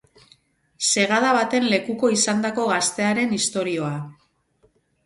Segada baten lekuko izandako gaztearen istorioa.